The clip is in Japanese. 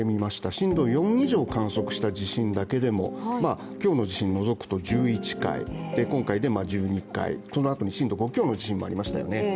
震度４以上を観測した地震だけでも今日の地震を除くと１１回、今回で１２回、そのあとに震度５強の地震もありましたよね。